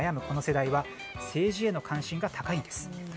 この世代は政治への関心が高いんです。